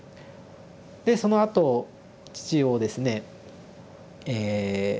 そのあと父をですねえ